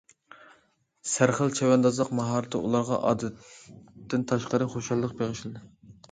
سەرخىل چەۋەندازلىق ماھارىتى ئۇلارغا ئادەتتىن تاشقىرى خۇشاللىق بېغىشلىدى.